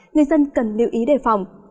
người dân cần lưu ý đề phòng